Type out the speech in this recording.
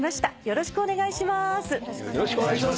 よろしくお願いします。